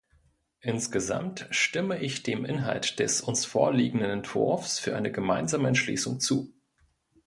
Insgesamt stimme ich dem Inhalt des uns vorliegenden Entwurfs für eine gemeinsame Entschließung zu.